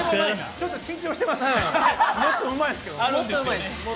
ちょっと緊張してますね、もっとうまいんですけどね。